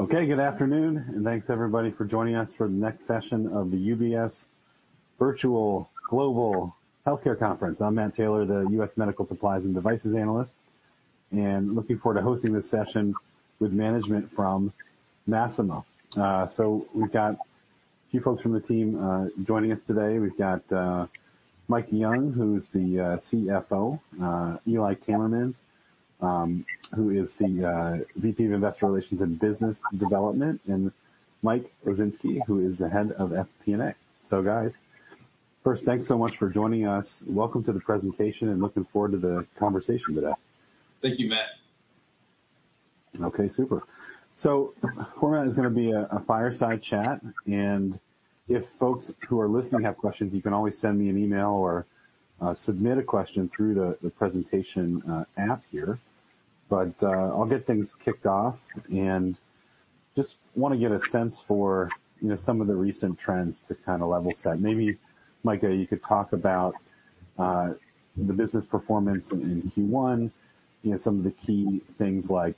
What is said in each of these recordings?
Okay, good afternoon, and thanks, everybody, for joining us for the next session of the UBS Virtual Global Healthcare Conference. I'm Matt Taylor, the US Medical Supplies and Devices Analyst, and looking forward to hosting this session with management from Masimo. So we've got a few folks from the team joining us today. We've got Micah Young, who's the CFO; Eli Kammerman, who is the VP of Investor Relations and Business Development; and Mike Oczynski, who is the head of FP&A. So, guys, first, thanks so much for joining us. Welcome to the presentation, and looking forward to the conversation today. Thank you, Matt. Okay, super. So the format is going to be a fireside chat, and if folks who are listening have questions, you can always send me an email or submit a question through the presentation app here. But I'll get things kicked off, and just want to get a sense for some of the recent trends to kind of level set. Maybe, Micah, you could talk about the business performance in Q1, some of the key things like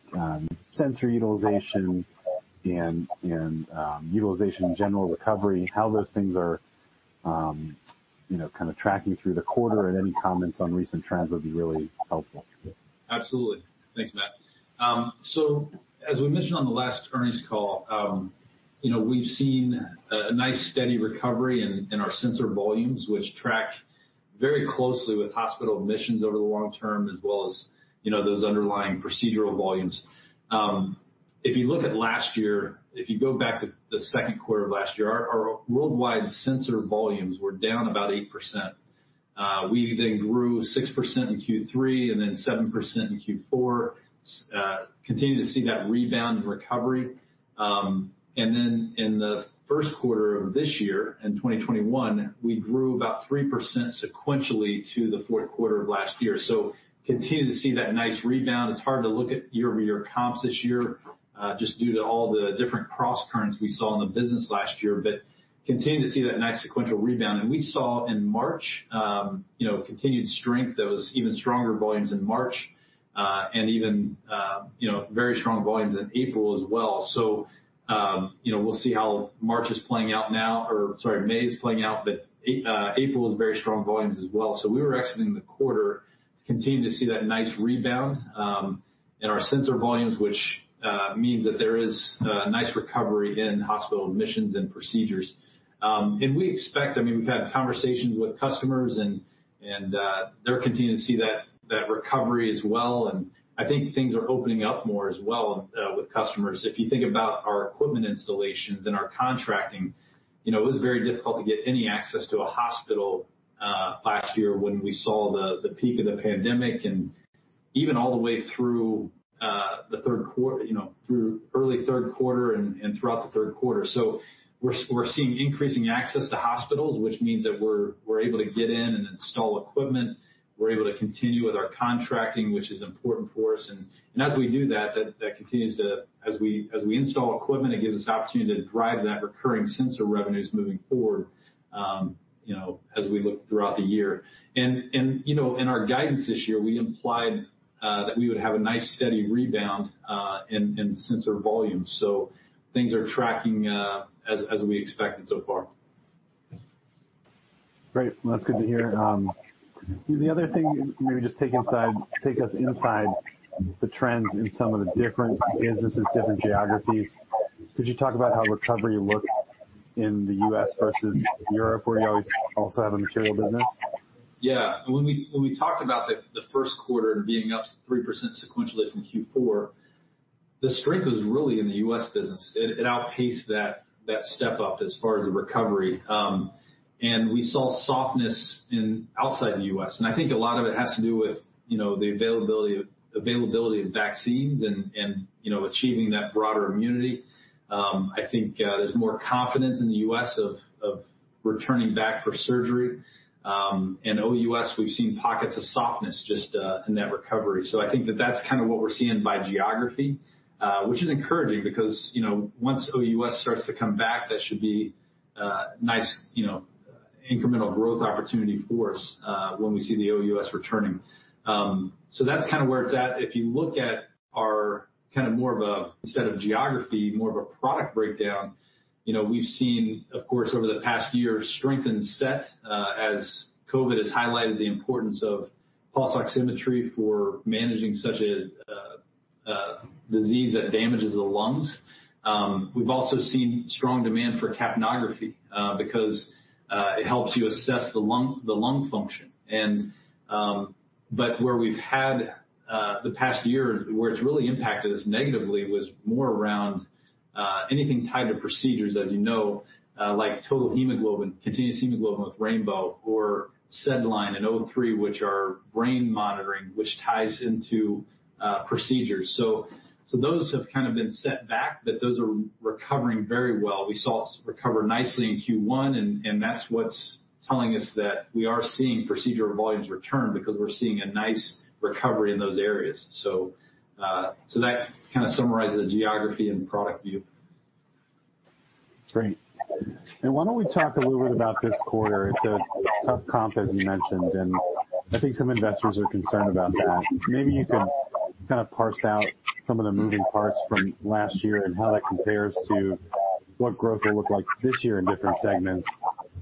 sensor utilization and utilization in general, recovery, how those things are kind of tracking through the quarter, and any comments on recent trends would be really helpful. Absolutely. Thanks, Matt. So, as we mentioned on the last earnings call, we've seen a nice steady recovery in our sensor volumes, which track very closely with hospital admissions over the long term, as well as those underlying procedural volumes. If you look at last year, if you go back to the second quarter of last year, our worldwide sensor volumes were down about 8%. We then grew 6% in Q3 and then 7% in Q4. Continue to see that rebound and recovery. And then in the first quarter of this year, in 2021, we grew about 3% sequentially to the fourth quarter of last year. So continue to see that nice rebound. It's hard to look at year-over-year comps this year just due to all the different cross currents we saw in the business last year, but continue to see that nice sequential rebound. And we saw in March continued strength. There was even stronger volumes in March and even very strong volumes in April as well, so we'll see how March is playing out now, or sorry, May is playing out, but April is very strong volumes as well, so we were exiting the quarter, continue to see that nice rebound in our sensor volumes, which means that there is a nice recovery in hospital admissions and procedures, and we expect, I mean, we've had conversations with customers, and they're continuing to see that recovery as well, and I think things are opening up more as well with customers. If you think about our equipment installations and our contracting, it was very difficult to get any access to a hospital last year when we saw the peak of the pandemic and even all the way through the third quarter, through early third quarter and throughout the third quarter. So we're seeing increasing access to hospitals, which means that we're able to get in and install equipment. We're able to continue with our contracting, which is important for us. And as we do that, that continues to, as we install equipment, it gives us the opportunity to drive that recurring sensor revenues moving forward as we look throughout the year. And in our guidance this year, we implied that we would have a nice steady rebound in sensor volumes. So things are tracking as we expected so far. Great. Well, that's good to hear. The other thing, maybe just take us inside the trends in some of the different businesses, different geographies. Could you talk about how recovery looks in the U.S. versus Europe, where you always also have a material business? Yeah. When we talked about the first quarter being up 3% sequentially from Q4, the strength was really in the U.S. business. It outpaced that step up as far as the recovery, and we saw softness outside the U.S. I think a lot of it has to do with the availability of vaccines and achieving that broader immunity. I think there's more confidence in the U.S. of returning back for surgery, and OUS, we've seen pockets of softness just in that recovery. I think that that's kind of what we're seeing by geography, which is encouraging because once OUS starts to come back, that should be nice incremental growth opportunity for us when we see the OUS returning. That's kind of where it's at. If you look at our kind of more of a, instead of geography, more of a product breakdown, we've seen, of course, over the past year, strength in SET® as COVID has highlighted the importance of pulse oximetry for managing such a disease that damages the lungs. We've also seen strong demand for capnography because it helps you assess the lung function. But where we've had the past year, where it's really impacted us negatively, was more around anything tied to procedures, as you know, like total hemoglobin, continuous hemoglobin with rainbow®, or SedLine® and O3®, which are brain monitoring, which ties into procedures. So those have kind of been set back, but those are recovering very well. We saw it recover nicely in Q1, and that's what's telling us that we are seeing procedural volumes return because we're seeing a nice recovery in those areas. So that kind of summarizes the geography and product view. Great. And why don't we talk a little bit about this quarter? It's a tough comp, as you mentioned, and I think some investors are concerned about that. Maybe you could kind of parse out some of the moving parts from last year and how that compares to what growth will look like this year in different segments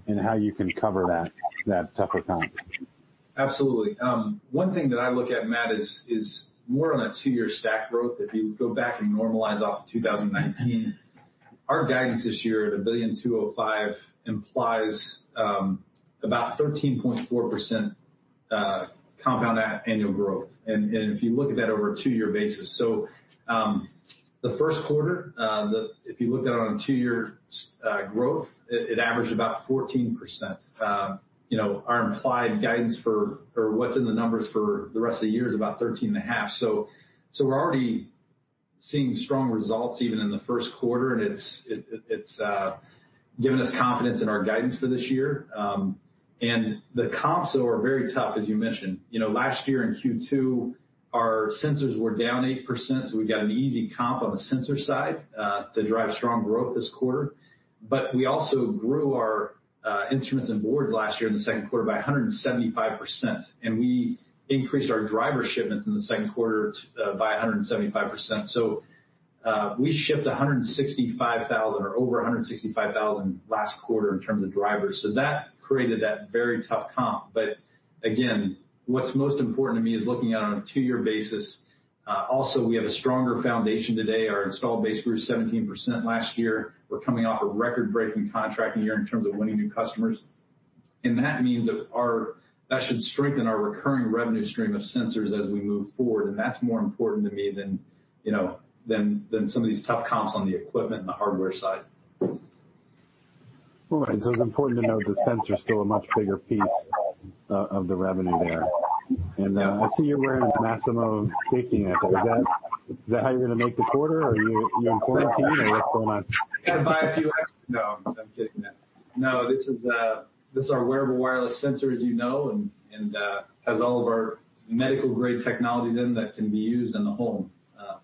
and how you can cover that tougher comp. Absolutely. One thing that I look at, Matt, is more on a two-year stack growth. If you go back and normalize off of 2019, our guidance this year at $1.205 billion implies about 13.4% compound annual growth, and if you look at that over a two-year basis, so the first quarter, if you looked at it on a two-year growth, it averaged about 14%. Our implied guidance for, or what's in the numbers for the rest of the year is about 13.5%. So we're already seeing strong results even in the first quarter, and it's given us confidence in our guidance for this year, and the comps are very tough, as you mentioned. Last year in Q2, our sensors were down 8%, so we got an easy comp on the sensor side to drive strong growth this quarter. But we also grew our instruments and boards last year in the second quarter by 175%. And we increased our driver shipments in the second quarter by 175%. So we shipped 165,000 or over 165,000 last quarter in terms of drivers. So that created that very tough comp. But again, what's most important to me is looking at it on a two-year basis. Also, we have a stronger foundation today. Our installed base grew 17% last year. We're coming off a record-breaking contracting year in terms of winning new customers. And that means that should strengthen our recurring revenue stream of sensors as we move forward. And that's more important to me than some of these tough comps on the equipment and the hardware side. All right. So it's important to note the sensor is still a much bigger piece of the revenue there. And I see you're wearing a Masimo SafetyNet™. Is that how you're going to make the quarter, or are you in quarantine, or what's going on? I'm going to buy a few extra. No, I'm kidding. No, this is our wearable wireless sensor, as you know, and has all of our medical-grade technologies in that can be used in the home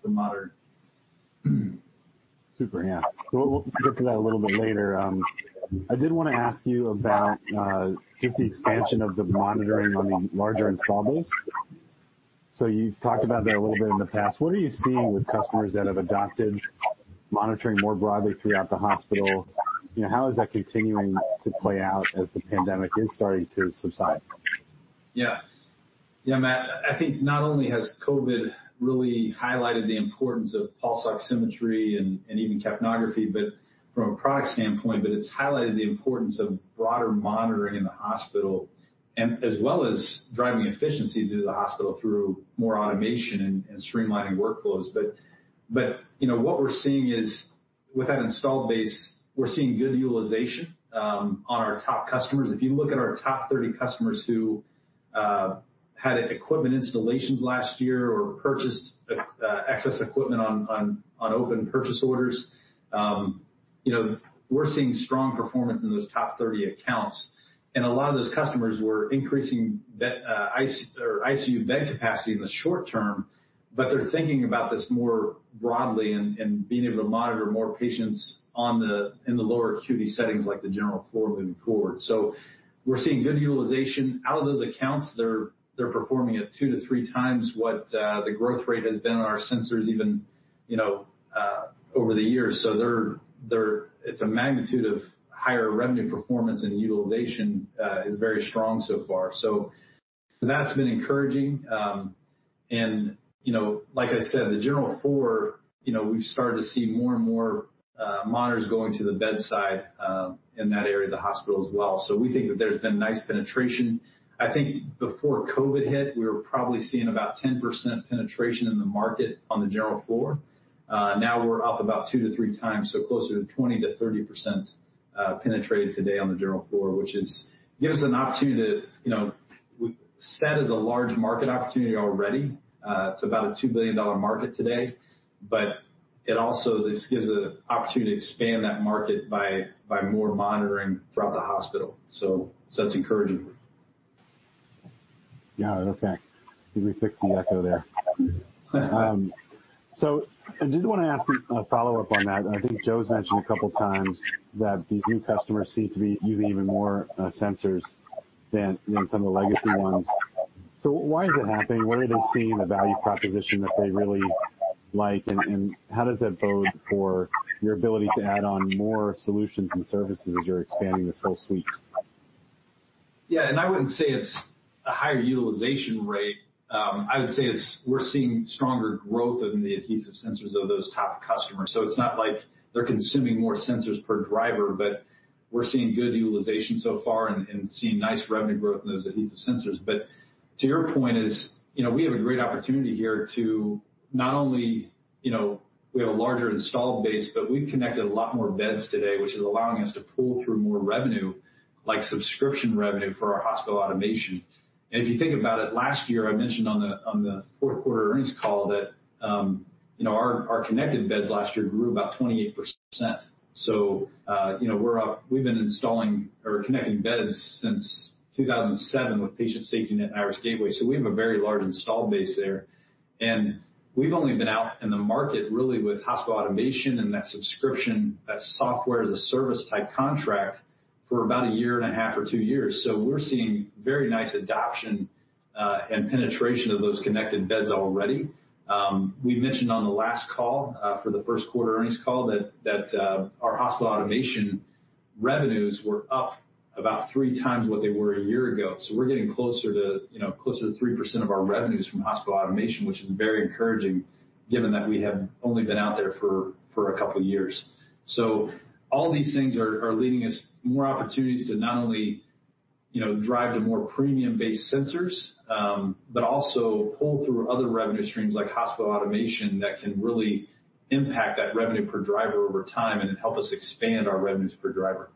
for monitoring. Super. Yeah. So we'll get to that a little bit later. I did want to ask you about just the expansion of the monitoring on the larger installed base. So you've talked about that a little bit in the past. What are you seeing with customers that have adopted monitoring more broadly throughout the hospital? How is that continuing to play out as the pandemic is starting to subside? Yeah. Yeah, Matt. I think not only has COVID really highlighted the importance of pulse oximetry and even capnography, but from a product standpoint, it's highlighted the importance of broader monitoring in the hospital, as well as driving efficiency through the hospital through more automation and streamlining workflows. But what we're seeing is, with that installed base, we're seeing good utilization on our top customers. If you look at our top 30 customers who had equipment installations last year or purchased excess equipment on open purchase orders, we're seeing strong performance in those top 30 accounts. And a lot of those customers were increasing ICU bed capacity in the short term, but they're thinking about this more broadly and being able to monitor more patients in the lower acuity settings, like the general floor moving forward. So we're seeing good utilization. Out of those accounts, they're performing at two to three times what the growth rate has been on our sensors even over the years. So it's a magnitude of higher revenue performance, and utilization is very strong so far. So that's been encouraging. And like I said, the general floor, we've started to see more and more monitors going to the bedside in that area of the hospital as well. So we think that there's been nice penetration. I think before COVID hit, we were probably seeing about 10% penetration in the market on the general floor. Now we're up about two to three times, so closer to 20%-30% penetration today on the general floor, which gives us an opportunity to see it as a large market opportunity already. It's about a $2 billion market today. But it also gives an opportunity to expand that market by more monitoring throughout the hospital. So that's encouraging. Yeah. Okay. Let me fix the echo there so I did want to ask a follow-up on that. I think Joe's mentioned a couple of times that these new customers seem to be using even more sensors than some of the legacy ones. So why is it happening? What are they seeing in the value proposition that they really like, and how does that bode for your ability to add on more solutions and services as you're expanding this whole suite? Yeah, and I wouldn't say it's a higher utilization rate. I would say we're seeing stronger growth in the adhesive sensors of those top customers. So it's not like they're consuming more sensors per driver, but we're seeing good utilization so far and seeing nice revenue growth in those adhesive sensors. But to your point, we have a great opportunity here to not only have a larger installed base, but we've connected a lot more beds today, which is allowing us to pull through more revenue, like subscription revenue for our Hospital Automation™. And if you think about it, last year, I mentioned on the fourth quarter earnings call that our connected beds last year grew about 28%. So we've been installing or connecting beds since 2007 with Patient SafetyNet™ and Iris® Gateway. So we have a very large installed base there. We've only been out in the market really with Hospital Automation™ and that subscription, that software as a service type contract for about a year and a half or two years. We're seeing very nice adoption and penetration of those connected beds already. We mentioned on the last call for the first quarter earnings call that our Hospital Automation™ revenues were up about three times what they were a year ago. We're getting closer to 3% of our revenues from Hospital Automation™, which is very encouraging given that we have only been out there for a couple of years. All these things are leading us to more opportunities to not only drive to more premium-based sensors, but also pull through other revenue streams like Hospital Automation™ that can really impact that revenue per driver over time and help us expand our revenues per driver.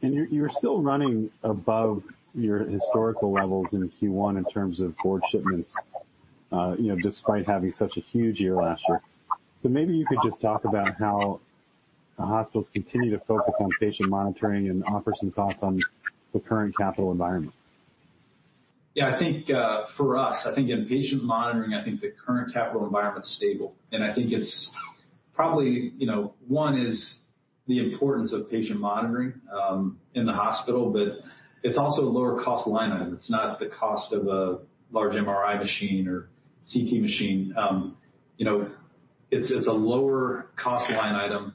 You're still running above your historical levels in Q1 in terms of board shipments despite having such a huge year last year. Maybe you could just talk about how hospitals continue to focus on patient monitoring and offer some thoughts on the current capital environment. Yeah. I think for us, I think in patient monitoring, I think the current capital environment is stable. And I think it's probably one is the importance of patient monitoring in the hospital, but it's also a lower-cost line item. It's not the cost of a large MRI machine or CT machine. It's a lower-cost line item.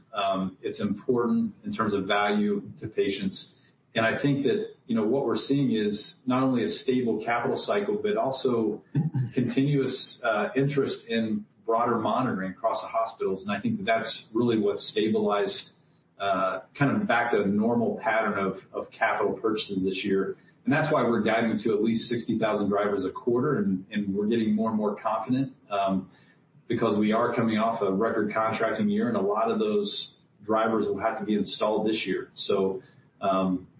It's important in terms of value to patients. And I think that what we're seeing is not only a stable capital cycle, but also continuous interest in broader monitoring across the hospitals. And I think that's really what stabilized kind of back to a normal pattern of capital purchases this year. And that's why we're driving to at least 60,000 drivers a quarter, and we're getting more and more confident because we are coming off a record contracting year, and a lot of those drivers will have to be installed this year. So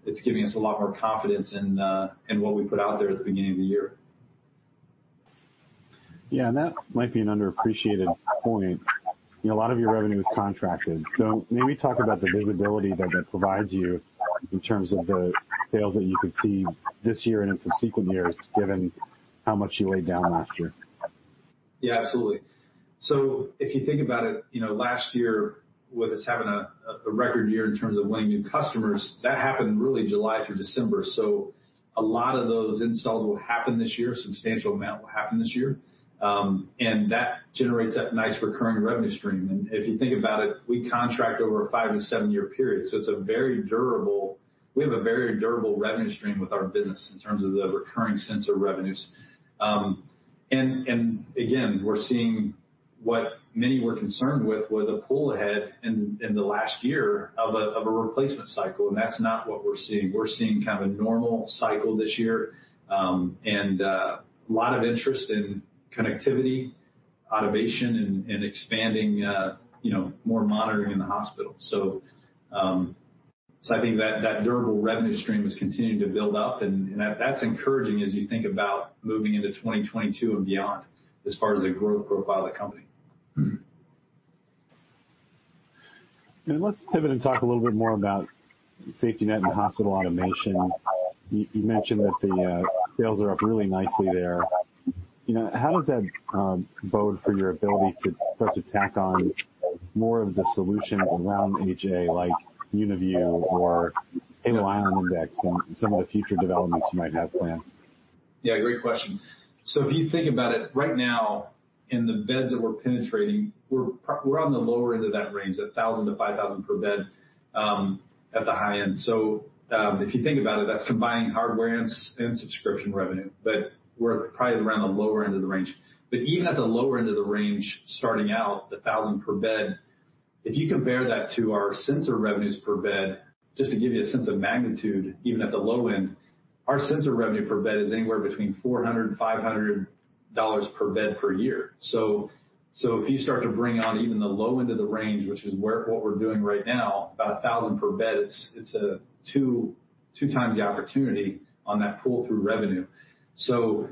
it's giving us a lot more confidence in what we put out there at the beginning of the year. Yeah. And that might be an underappreciated point. A lot of your revenue is contracted. So maybe talk about the visibility that that provides you in terms of the sales that you could see this year and in subsequent years given how much you laid down last year. Yeah, absolutely. So if you think about it, last year, with us having a record year in terms of winning new customers, that happened really July through December. So a lot of those installs will happen this year. A substantial amount will happen this year. And that generates that nice recurring revenue stream. And if you think about it, we contract over a five- to seven-year period. So it's a very durable, we have a very durable revenue stream with our business in terms of the recurring sensor revenues. And again, we're seeing what many were concerned with, was a pull ahead in the last year of a replacement cycle. And that's not what we're seeing. We're seeing kind of a normal cycle this year and a lot of interest in connectivity, automation, and expanding more monitoring in the hospital. So I think that durable revenue stream is continuing to build up. And that's encouraging as you think about moving into 2022 and beyond as far as the growth profile of the company. And let's pivot and talk a little bit more about SafetyNet™ and Hospital Automation™. You mentioned that the sales are up really nicely there. How does that bode for your ability to start to tack on more of the solutions around HA, like UniView or Halo ION and some of the future developments you might have planned? Yeah, great question. So if you think about it, right now, in the beds that we're penetrating, we're on the lower end of that range, $1,000-$5,000 per bed at the high end. So if you think about it, that's combining hardware and subscription revenue. But we're probably around the lower end of the range. But even at the lower end of the range, starting out, $1,000 per bed, if you compare that to our sensor revenues per bed, just to give you a sense of magnitude, even at the low end, our sensor revenue per bed is anywhere between $400 and $500 per bed per year. So if you start to bring on even the low end of the range, which is what we're doing right now, about $1,000 per bed, it's two times the opportunity on that pull-through revenue. So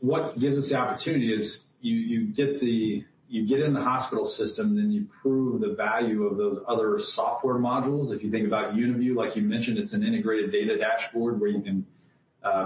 what gives us the opportunity is you get in the hospital system, then you prove the value of those other software modules. If you think about UniView, like you mentioned, it's an integrated data dashboard where you can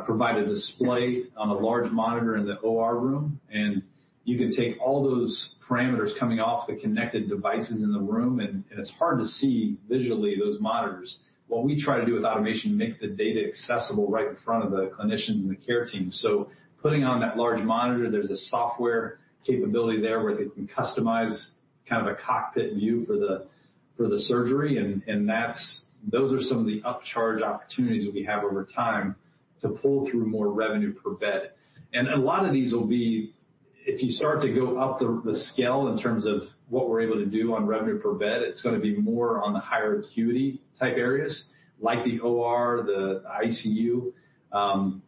provide a display on a large monitor in the OR room. And you can take all those parameters coming off the connected devices in the room. And it's hard to see visually those monitors. What we try to do with automation is make the data accessible right in front of the clinicians and the care team. So putting on that large monitor, there's a software capability there where they can customize kind of a cockpit view for the surgery. And those are some of the upcharge opportunities that we have over time to pull through more revenue per bed. And a lot of these will be, if you start to go up the scale in terms of what we're able to do on revenue per bed, it's going to be more on the higher acuity type areas, like the OR, the ICU.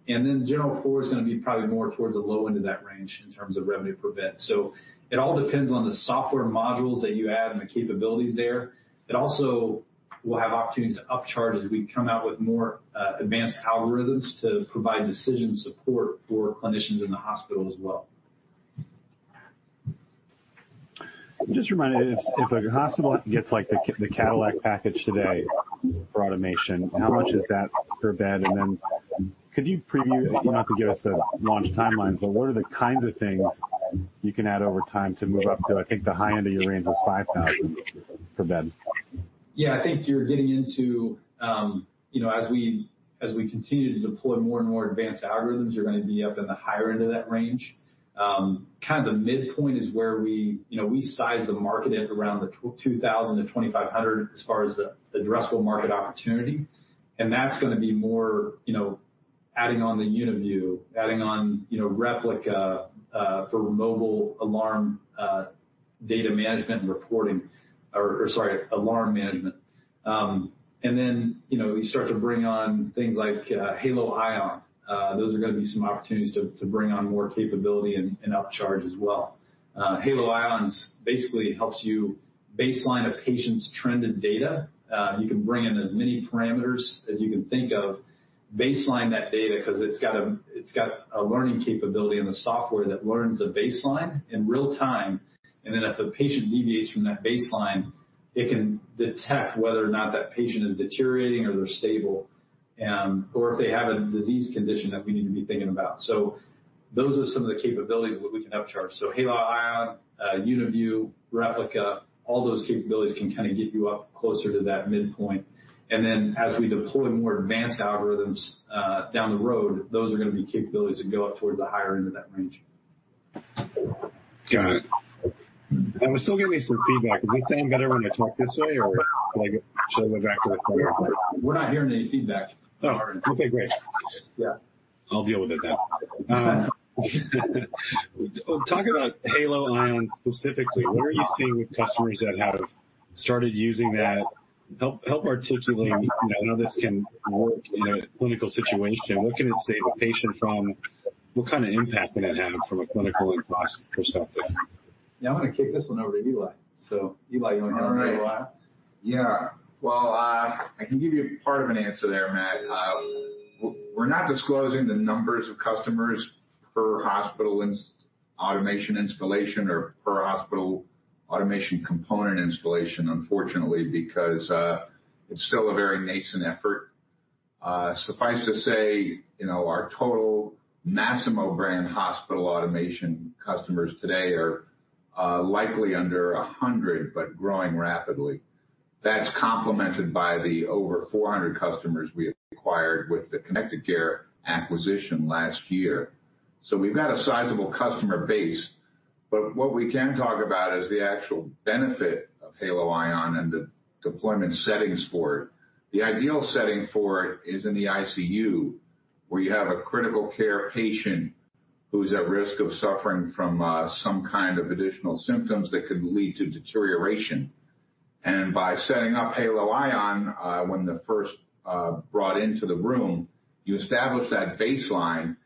And then general floor is going to be probably more towards the low end of that range in terms of revenue per bed. So it all depends on the software modules that you add and the capabilities there. It also will have opportunities to upcharge as we come out with more advanced algorithms to provide decision support for clinicians in the hospital as well. Just a reminder, if a hospital gets the Cadillac package today for automation, how much is that per bed? And then could you preview, not to give us a launch timeline, but what are the kinds of things you can add over time to move up to? I think the high end of your range was $5,000 per bed. Yeah. I think you're getting into, as we continue to deploy more and more advanced algorithms, you're going to be up in the higher end of that range. Kind of the midpoint is where we size the market at around 2,000-2,500 as far as the addressable market opportunity. And that's going to be more adding on the UniView, adding on Replica™ for mobile alarm data management and reporting, or sorry, alarm management. And then you start to bring on things like Halo ION. Those are going to be some opportunities to bring on more capability and upcharge as well. Halo ION basically helps you baseline a patient's trend in data. You can bring in as many parameters as you can think of, baseline that data because it's got a learning capability in the software that learns the baseline in real time. And then if a patient deviates from that baseline, it can detect whether or not that patient is deteriorating or they're stable, or if they have a disease condition that we need to be thinking about. So those are some of the capabilities that we can upcharge. So Halo ION, UniView, Replica™, all those capabilities can kind of get you up closer to that midpoint. And then as we deploy more advanced algorithms down the road, those are going to be capabilities that go up towards the higher end of that range. Got it. We're still getting some feedback. Is this sounding better when I talk this way, or should I go back to the phone? We're not hearing any feedback. Okay, great. Yeah. I'll deal with it then. Talk about Halo ION specifically. What are you seeing with customers that have started using that? Help articulate how this can work in a clinical situation. What can it save a patient from? What kind of impact would it have from a clinical and cost perspective? Yeah. I'm going to kick this one over to Eli. So Eli, you only had a little while. Yeah. Well, I can give you part of an answer there, Matt. We're not disclosing the numbers of customers per Hospital Automation™ installation or per Hospital Automation™ component installation, unfortunately, because it's still a very nascent effort. Suffice to say, our total Masimo brand Hospital Automation™ customers today are likely under 100, but growing rapidly. That's complemented by the over 400 customers we acquired with the Connected Care acquisition last year, so we've got a sizable customer base, but what we can talk about is the actual benefit of Halo ION and the deployment settings for it. The ideal setting for it is in the ICU, where you have a critical care patient who's at risk of suffering from some kind of additional symptoms that could lead to deterioration, and by setting up Halo ION when they're first brought into the room, you establish that baseline.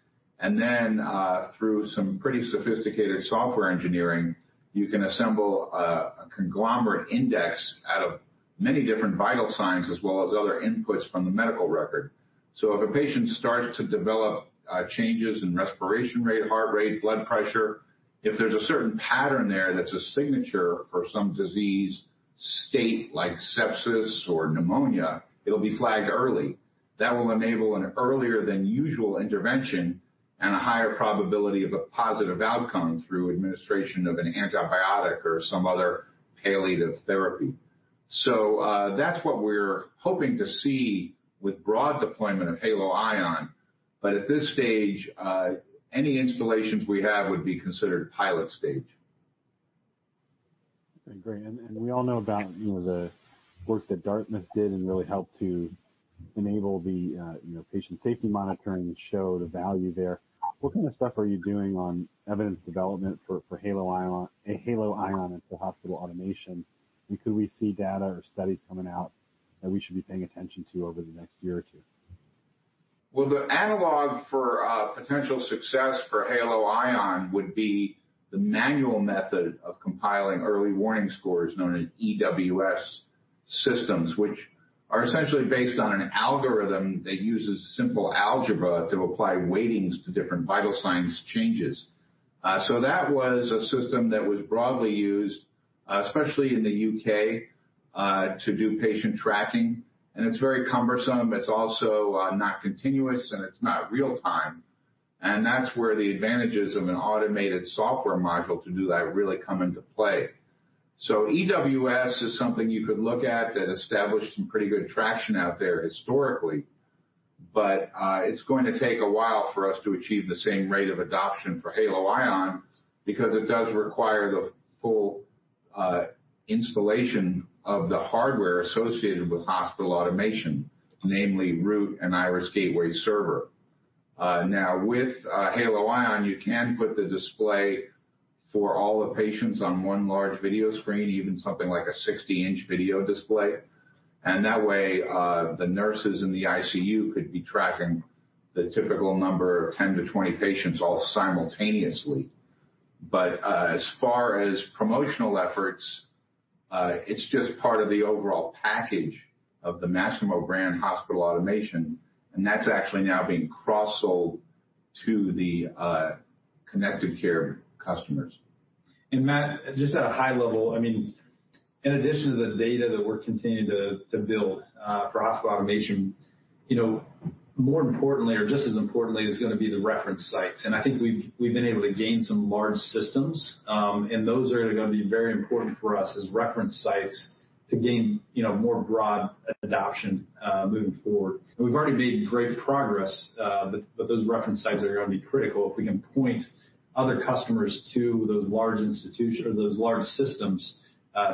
Through some pretty sophisticated software engineering, you can assemble a conglomerate index out of many different vital signs as well as other inputs from the medical record. If a patient starts to develop changes in respiration rate, heart rate, blood pressure, if there's a certain pattern there that's a signature for some disease state like sepsis or pneumonia, it'll be flagged early. That will enable an earlier-than-usual intervention and a higher probability of a positive outcome through administration of an antibiotic or some other palliative therapy. That's what we're hoping to see with broad deployment of Halo ION. At this stage, any installations we have would be considered pilot stage. Okay, great. And we all know about the work that Dartmouth did and really helped to enable the patient safety monitoring and show the value there. What kind of stuff are you doing on evidence development for Halo ION and for Hospital Automation™? And could we see data or studies coming out that we should be paying attention to over the next year or two? The analog for potential success for Halo ION would be the manual method of compiling early warning scores known as EWS systems, which are essentially based on an algorithm that uses simple algebra to apply weightings to different vital signs changes. That was a system that was broadly used, especially in the U.K., to do patient tracking. It's very cumbersome. It's also not continuous, and it's not real time. That's where the advantages of an automated software module to do that really come into play. EWS is something you could look at that established some pretty good traction out there historically. It's going to take a while for us to achieve the same rate of adoption for Halo ION because it does require the full installation of the hardware associated with Hospital Automation™, namely Root® and Iris® Gateway server. Now, with Halo ION, you can put the display for all the patients on one large video screen, even something like a 60-inch video display, and that way, the nurses in the ICU could be tracking the typical number of 10 to 20 patients all simultaneously, but as far as promotional efforts, it's just part of the overall package of the Masimo brand Hospital Automation™, and that's actually now being cross-sold to the Connected Care customers. And Matt, just at a high level, I mean, in addition to the data that we're continuing to build for Hospital Automation™, more importantly, or just as importantly, is going to be the reference sites. And I think we've been able to gain some large systems. And those are going to be very important for us as reference sites to gain more broad adoption moving forward. And we've already made great progress, but those reference sites are going to be critical if we can point other customers to those large systems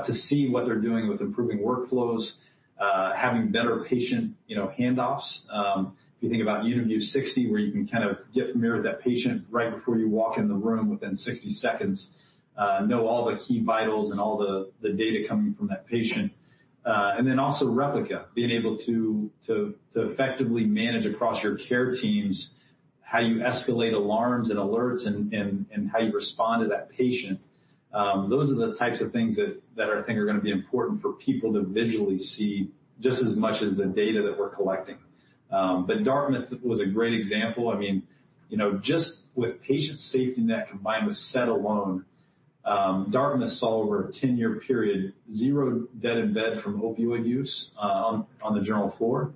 to see what they're doing with improving workflows, having better patient handoffs. If you think about UniView :60™, where you can kind of get familiar with that patient right before you walk in the room within 60 seconds, know all the key vitals and all the data coming from that patient. And then also Replica™, being able to effectively manage across your care teams how you escalate alarms and alerts and how you respond to that patient. Those are the types of things that I think are going to be important for people to visually see just as much as the data that we're collecting. But Dartmouth was a great example. I mean, just with Patient SafetyNet™ combined with SET® alone, Dartmouth saw over a 10-year period zero dead in bed from opioid use on the general floor.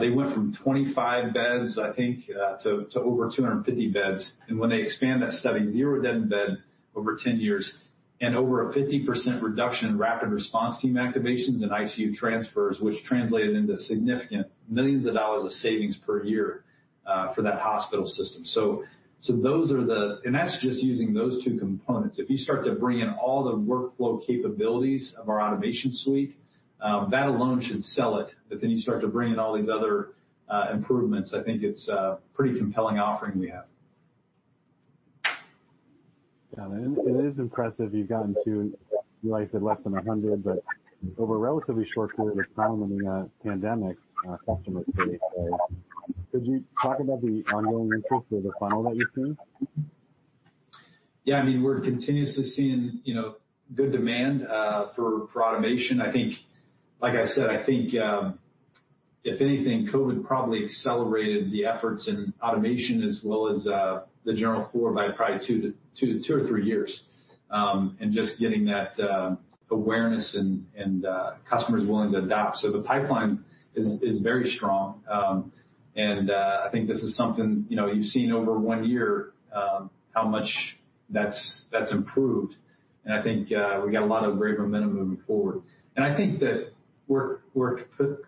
They went from 25 beds, I think, to over 250 beds. And when they expand that study, zero dead in bed over 10 years and over a 50% reduction in rapid response team activations and ICU transfers, which translated into significant millions of dollars of savings per year for that hospital system. So those are the, and that's just using those two components. If you start to bring in all the workflow capabilities of our automation suite, that alone should sell it. But then you start to bring in all these other improvements, I think it's a pretty compelling offering we have. Got it. And it is impressive. You've gotten to, like I said, less than 100, but over a relatively short period of time in the pandemic customer base. Could you talk about the ongoing interest for the funnel that you've seen? Yeah. I mean, we're continuously seeing good demand for automation. I think, like I said, I think if anything, COVID probably accelerated the efforts in automation as well as the general floor by probably two or three years and just getting that awareness and customers willing to adopt, so the pipeline is very strong, and I think this is something you've seen over one year how much that's improved, and I think we got a lot of great momentum moving forward, and I think that we're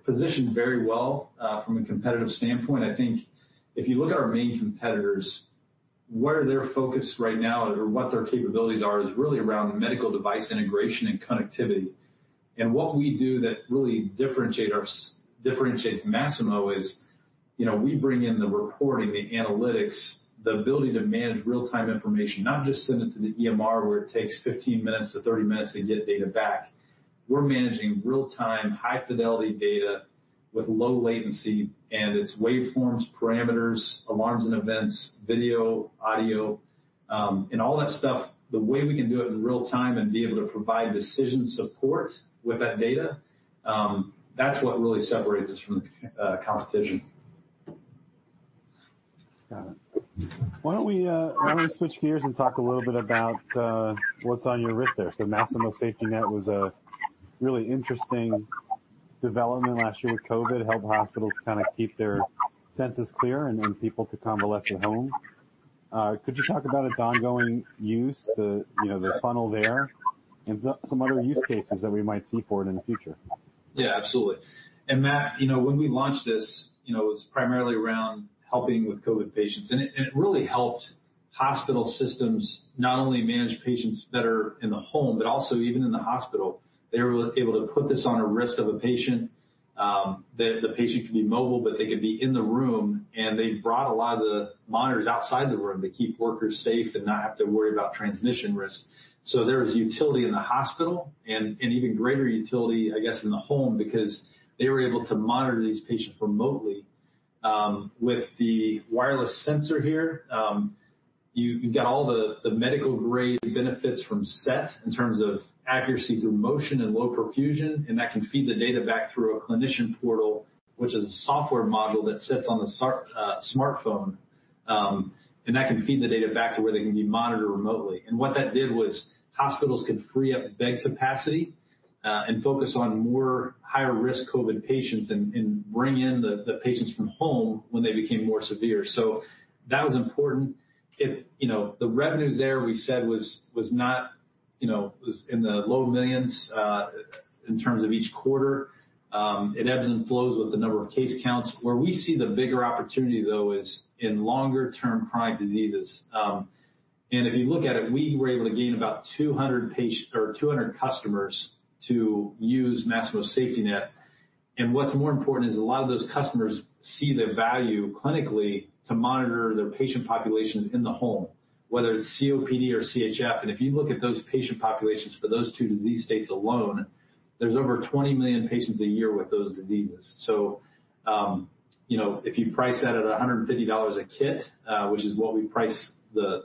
positioned very well from a competitive standpoint. I think if you look at our main competitors, what are their focus right now or what their capabilities are is really around medical device integration and connectivity. What we do that really differentiates Masimo is we bring in the reporting, the analytics, the ability to manage real-time information, not just send it to the EMR where it takes 15 minutes to 30 minutes to get data back. We're managing real-time high-fidelity data with low latency. It's waveforms, parameters, alarms and events, video, audio, and all that stuff. The way we can do it in real time and be able to provide decision support with that data, that's what really separates us from the competition. Got it. Why don't we switch gears and talk a little bit about what's on your wrist there? So Masimo SafetyNet™ was a really interesting development last year with COVID, helped hospitals kind of keep their senses clear and people to convalesce at home. Could you talk about its ongoing use, the funnel there, and some other use cases that we might see for it in the future? Yeah, absolutely. And Matt, when we launched this, it was primarily around helping with COVID patients. And it really helped hospital systems not only manage patients better in the home, but also even in the hospital. They were able to put this on a wrist of a patient. The patient could be mobile, but they could be in the room. And they brought a lot of the monitors outside the room to keep workers safe and not have to worry about transmission risk. So there was utility in the hospital and even greater utility, I guess, in the home because they were able to monitor these patients remotely with the wireless sensor here. You've got all the medical-grade benefits from SET® in terms of accuracy through motion and low perfusion. And that can feed the data back through a clinician portal, which is a software module that sits on the smartphone. And that can feed the data back to where they can be monitored remotely. And what that did was hospitals could free up bed capacity and focus on more higher-risk COVID patients and bring in the patients from home when they became more severe. So that was important. The revenues there, we said, was in the low millions in terms of each quarter. It ebbs and flows with the number of case counts. Where we see the bigger opportunity, though, is in longer-term chronic diseases. And if you look at it, we were able to gain about 200 customers to use Masimo SafetyNet™. What's more important is a lot of those customers see the value clinically to monitor their patient populations in the home, whether it's COPD or CHF. If you look at those patient populations for those two disease states alone, there's over 20 million patients a year with those diseases. If you price that at $150 a kit, which is what we price the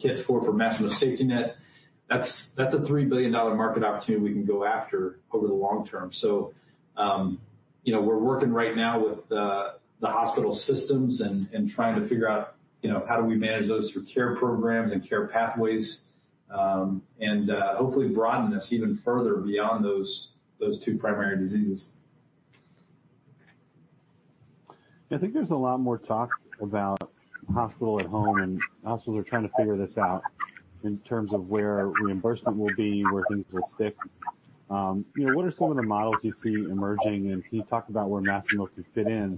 kit for for Masimo SafetyNet™, that's a $3 billion market opportunity we can go after over the long term. We're working right now with the hospital systems and trying to figure out how do we manage those through care programs and care pathways and hopefully broaden this even further beyond those two primary diseases. I think there's a lot more talk about hospital at home, and hospitals are trying to figure this out in terms of where reimbursement will be, where things will stick. What are some of the models you see emerging? And can you talk about where Masimo could fit in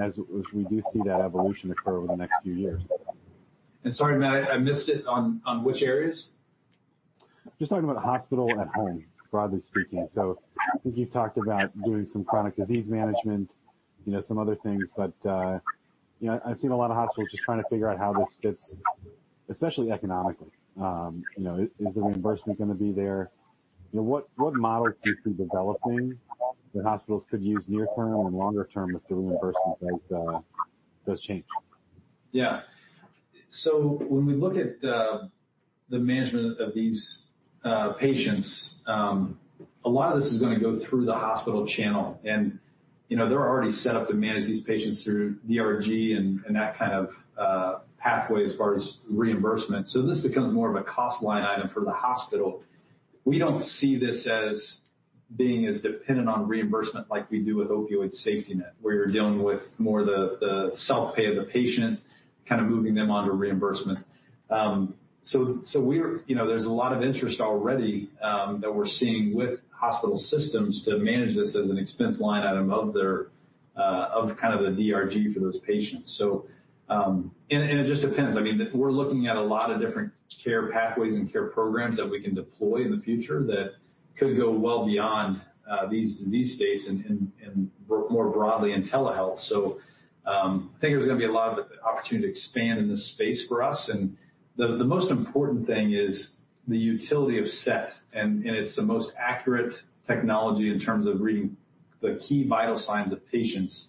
as we do see that evolution occur over the next few years? And sorry, Matt, I missed it. On which areas? Just talking about hospital at home, broadly speaking. So I think you've talked about doing some chronic disease management, some other things. But I've seen a lot of hospitals just trying to figure out how this fits, especially economically. Is the reimbursement going to be there? What models do you see developing that hospitals could use near-term and longer-term if the reimbursement does change? Yeah, so when we look at the management of these patients, a lot of this is going to go through the hospital channel, and they're already set up to manage these patients through DRG and that kind of pathway as far as reimbursement, so this becomes more of a cost line item for the hospital. We don't see this as being as dependent on reimbursement like we do with Opioid SafetyNet™, where you're dealing with more of the self-pay of the patient, kind of moving them on to reimbursement, so there's a lot of interest already that we're seeing with hospital systems to manage this as an expense line item of kind of the DRG for those patients, and it just depends. I mean, we're looking at a lot of different care pathways and care programs that we can deploy in the future that could go well beyond these disease states and more broadly in telehealth, so I think there's going to be a lot of opportunity to expand in this space for us, and the most important thing is the utility of SET®, and it's the most accurate technology in terms of reading the key vital signs of patients.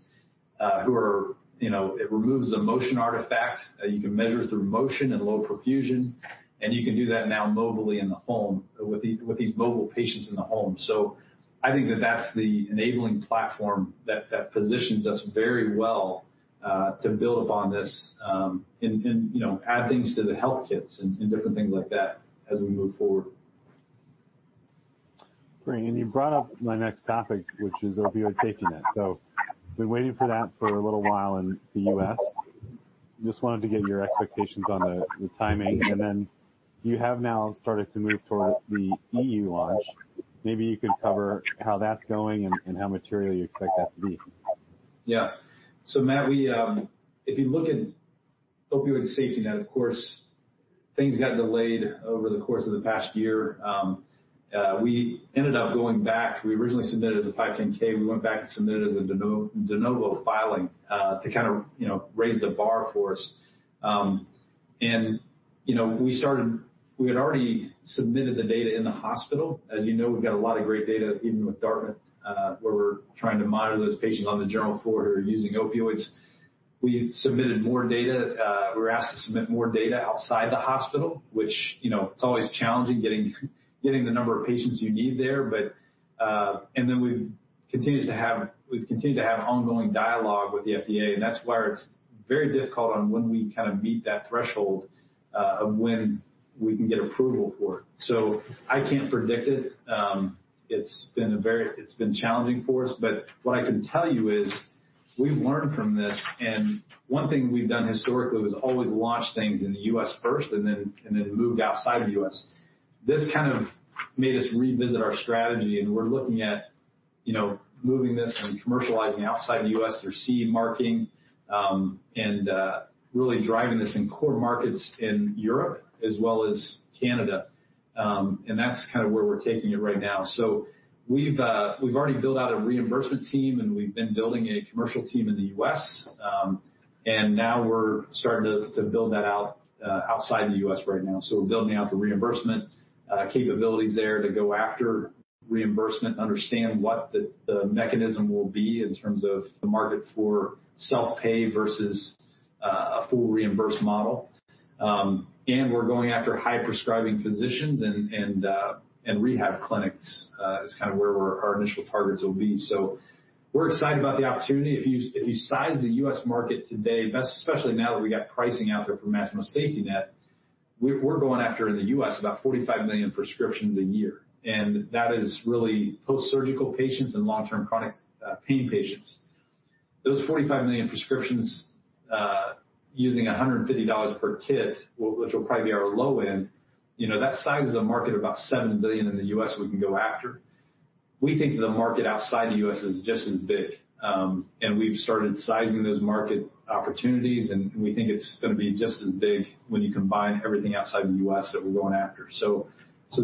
It removes the motion artifact. You can measure through motion and low perfusion, and you can do that now mobily in the home with these mobile patients in the home, so I think that that's the enabling platform that positions us very well to build upon this and add things to the health kits and different things like that as we move forward. Great. And you brought up my next topic, which is Opioid SafetyNet™. So we've been waiting for that for a little while in the U.S. Just wanted to get your expectations on the timing. And then you have now started to move toward the E.U. launch. Maybe you can cover how that's going and how material you expect that to be. Yeah. So Matt, if you look at Opioid SafetyNet™, of course, things got delayed over the course of the past year. We ended up going back. We originally submitted as a 510(k). We went back and submitted as a de novo filing to kind of raise the bar for us, and we had already submitted the data in the hospital. As you know, we've got a lot of great data even with Dartmouth where we're trying to monitor those patients on the general floor who are using opioids. We submitted more data. We were asked to submit more data outside the hospital, which it's always challenging getting the number of patients you need there, and then we've continued to have ongoing dialogue with the FDA, and that's why it's very difficult on when we kind of meet that threshold of when we can get approval for it. So I can't predict it. It's been challenging for us. But what I can tell you is we've learned from this. And one thing we've done historically was always launch things in the U.S. first and then moved outside the U.S. This kind of made us revisit our strategy. And we're looking at moving this and commercializing outside the U.S. through CE marking and really driving this in core markets in Europe as well as Canada. And that's kind of where we're taking it right now. So we've already built out a reimbursement team, and we've been building a commercial team in the U.S. And now we're starting to build that out outside the U.S. right now. So we're building out the reimbursement capabilities there to go after reimbursement, understand what the mechanism will be in terms of the market for self-pay versus a full reimbursed model. We're going after high-prescribing physicians and rehab clinics, which is kind of where our initial targets will be. We're excited about the opportunity. If you size the U.S. market today, especially now that we got pricing out there for Masimo SafetyNet™, we're going after in the U.S. about 45 million prescriptions a year. That is really post-surgical patients and long-term chronic pain patients. Those 45 million prescriptions using $150 per kit, which will probably be our low end, that sizes a market of about $7 billion in the U.S. we can go after. We think the market outside the U.S. is just as big. We've started sizing those market opportunities. We think it's going to be just as big when you combine everything outside the U.S. that we're going after.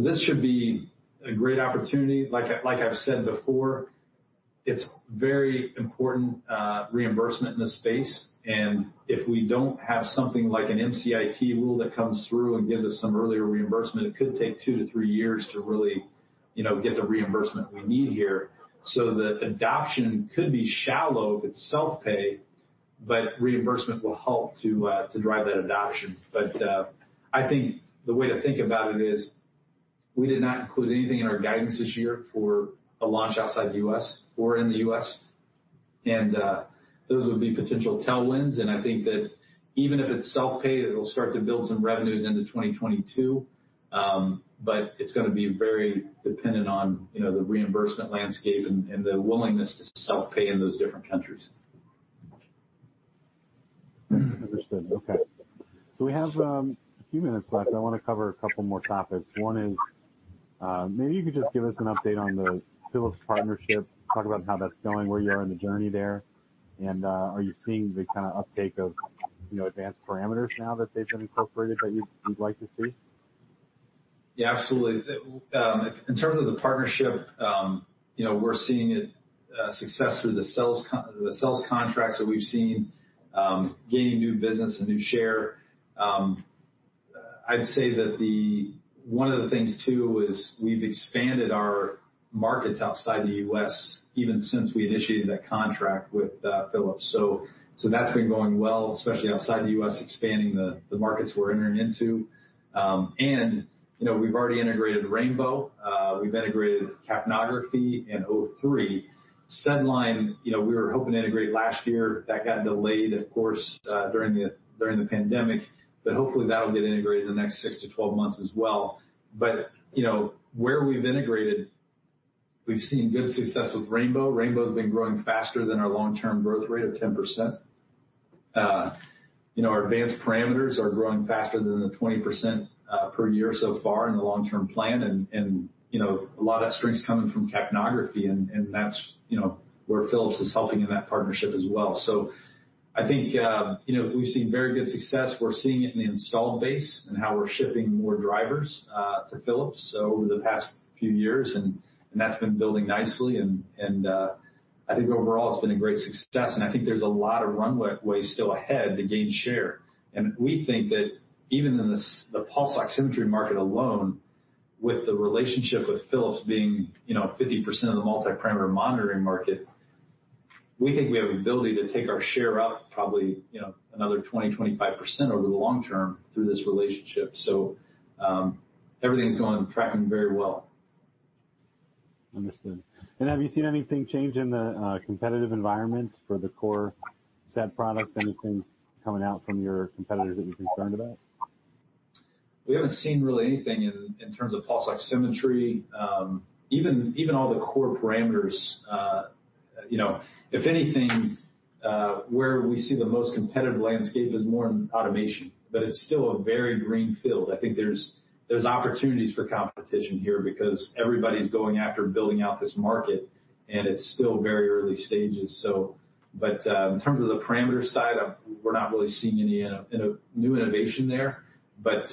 This should be a great opportunity. Like I've said before, it's very important, reimbursement in this space, and if we don't have something like an MCIT rule that comes through and gives us some earlier reimbursement, it could take two to three years to really get the reimbursement we need here. So the adoption could be shallow if it's self-pay, but reimbursement will help to drive that adoption, but I think the way to think about it is we did not include anything in our guidance this year for a launch outside the U.S. or in the U.S., and those would be potential tailwinds, and I think that even if it's self-pay, it'll start to build some revenues into 2022, but it's going to be very dependent on the reimbursement landscape and the willingness to self-pay in those different countries. Understood. Okay. So we have a few minutes left. I want to cover a couple more topics. One is maybe you could just give us an update on the Philips partnership, talk about how that's going, where you are in the journey there. And are you seeing the kind of uptake of advanced parameters now that they've been incorporated that you'd like to see? Yeah, absolutely. In terms of the partnership, we're seeing success through the sales contracts that we've seen, gaining new business and new share. I'd say that one of the things too is we've expanded our markets outside the U.S. even since we initiated that contract with Philips. So that's been going well, especially outside the U.S., expanding the markets we're entering into. And we've already integrated rainbow®. We've integrated capnography and O3®. SedLine®, we were hoping to integrate last year. That got delayed, of course, during the pandemic. But hopefully, that'll get integrated in the next 6 to 12 months as well. But where we've integrated, we've seen good success with rainbow®. rainbow® has been growing faster than our long-term growth rate of 10%. Our advanced parameters are growing faster than the 20% per year so far in the long-term plan. And a lot of that strength's coming from capnography. That's where Philips is helping in that partnership as well. So I think we've seen very good success. We're seeing it in the installed base and how we're shipping more drivers to Philips over the past few years. And that's been building nicely. And I think overall, it's been a great success. And I think there's a lot of runway still ahead to gain share. And we think that even in the pulse oximetry market alone, with the relationship with Philips being 50% of the multi-parameter monitoring market, we think we have the ability to take our share up probably another 20%-25% over the long term through this relationship. So everything's going and tracking very well. Understood. And have you seen anything change in the competitive environment for the core SET® products? Anything coming out from your competitors that you're concerned about? We haven't seen really anything in terms of pulse oximetry. Even all the core parameters, if anything, where we see the most competitive landscape is more in automation. But it's still a very green field. I think there's opportunities for competition here because everybody's going after building out this market. And it's still very early stages. But in terms of the parameter side, we're not really seeing any new innovation there. But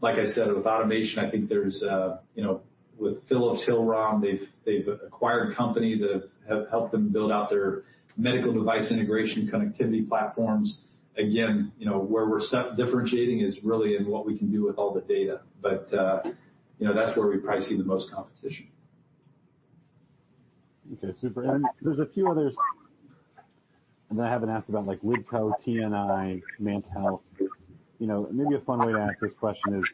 like I said, with automation, I think with Philips, Hillrom, they've acquired companies that have helped them build out their medical device integration connectivity platforms. Again, where we're differentiating is really in what we can do with all the data. But that's where we probably see the most competition. Okay. Super. And there's a few others that I haven't asked about like LiDCO, TNI, NantHealth. Maybe a fun way to ask this question is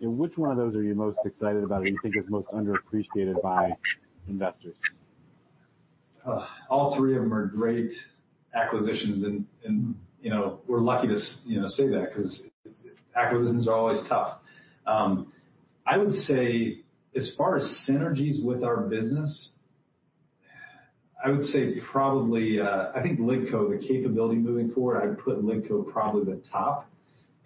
which one of those are you most excited about or you think is most underappreciated by investors? All three of them are great acquisitions. And we're lucky to say that because acquisitions are always tough. I would say as far as synergies with our business, I would say probably I think LiDCO, the capability moving forward, I'd put LiDCO probably the top.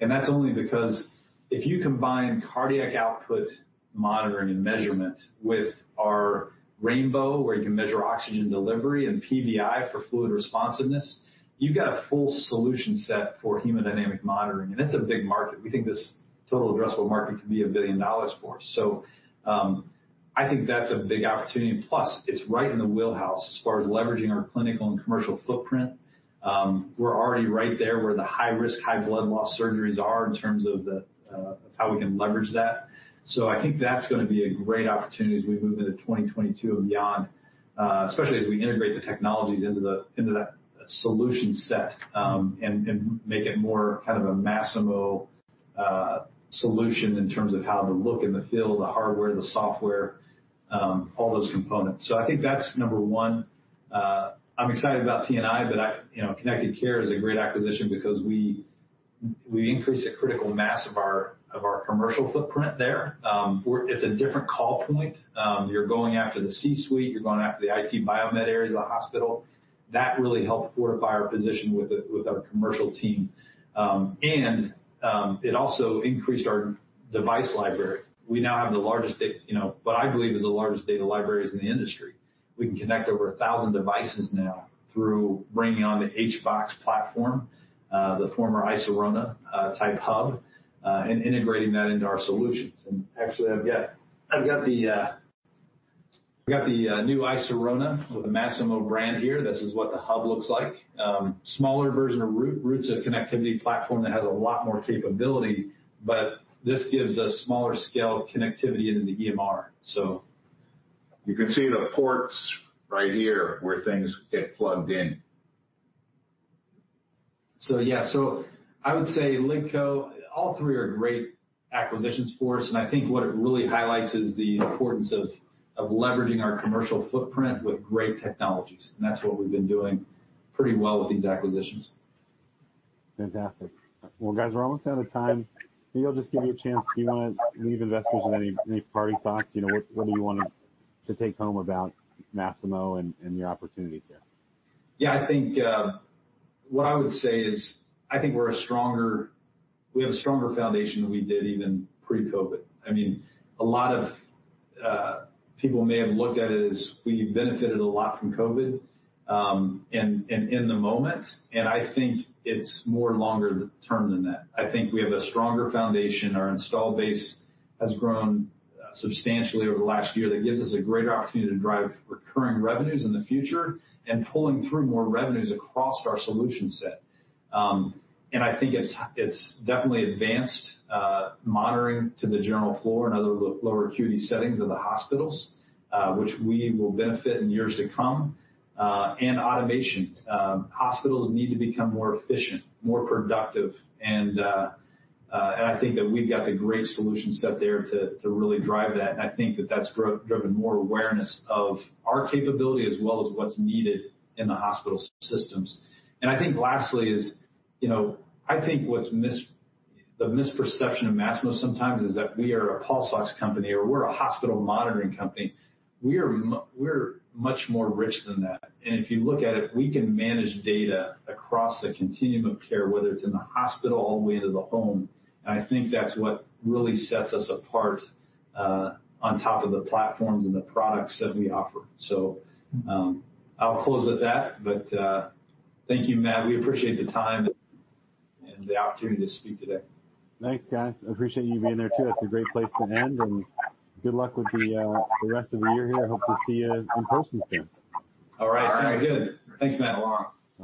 And that's only because if you combine cardiac output monitoring and measurement with our rainbow®, where you can measure oxygen delivery and PVi for fluid responsiveness, you've got a full solution set for hemodynamic monitoring. And it's a big market. We think this total addressable market could be $1 billion for us. So I think that's a big opportunity. Plus, it's right in the wheelhouse as far as leveraging our clinical and commercial footprint. We're already right there where the high-risk, high-blood loss surgeries are in terms of how we can leverage that. So I think that's going to be a great opportunity as we move into 2022 and beyond, especially as we integrate the technologies into that solution set and make it more kind of a Masimo solution in terms of how the look and the feel, the hardware, the software, all those components. So I think that's number one. I'm excited about TNI, but Connected Care is a great acquisition because we increase the critical mass of our commercial footprint there. It's a different call point. You're going after the C-suite. You're going after the IT, biomed areas of the hospital. That really helped fortify our position with our commercial team. And it also increased our device library. We now have the largest data, what I believe is the largest data libraries in the industry. We can connect over 1,000 devices now through bringing on the HBox platform, the former iSirona™ type hub, and integrating that into our solutions. And actually, I've got the new iSirona™ with the Masimo brand here. This is what the hub looks like. Smaller version of Root®, a connectivity platform that has a lot more capability. But this gives us smaller scale connectivity into the EMR. So you can see the ports right here where things get plugged in. So yeah. So I would say LiDCO, all three are great acquisitions for us. And I think what it really highlights is the importance of leveraging our commercial footprint with great technologies. And that's what we've been doing pretty well with these acquisitions. Fantastic. Well, guys, we're almost out of time. Maybe I'll just give you a chance. Do you want to leave investors with any parting thoughts? What do you want to take home about Masimo and your opportunities here? Yeah. I think what I would say is I think we have a stronger foundation than we did even pre-COVID. I mean, a lot of people may have looked at it as we benefited a lot from COVID and in the moment. And I think it's more longer term than that. I think we have a stronger foundation. Our installed base has grown substantially over the last year. That gives us a greater opportunity to drive recurring revenues in the future and pulling through more revenues across our solution set. And I think it's definitely advanced monitoring to the general floor and other lower acuity settings of the hospitals, which we will benefit in years to come. And automation. Hospitals need to become more efficient, more productive. And I think that we've got the great solution set there to really drive that. And I think that that's driven more awareness of our capability as well as what's needed in the hospital systems. And I think lastly is I think the misperception of Masimo sometimes is that we are a pulse oximeter company or we're a hospital monitoring company. We're much more rich than that. And if you look at it, we can manage data across the continuum of care, whether it's in the hospital all the way into the home. And I think that's what really sets us apart on top of the platforms and the products that we offer. So I'll close with that. But thank you, Matt. We appreciate the time and the opportunity to speak today. Thanks, guys. I appreciate you being there too. That's a great place to end, and good luck with the rest of the year here. Hope to see you in person soon. All right. Sounds good. Thanks, Matt.